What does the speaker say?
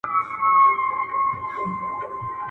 پلار نیکه مي دا تخمونه دي کرلي!